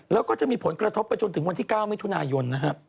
แล้วก็จะมีผลกระทบไปจนถึงวันที่๙มิถุนายนนะครับ